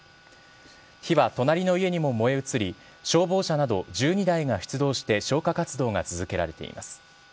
火は隣の家にも燃え移り、消防車など１２台が出動して消火活動が続けられています。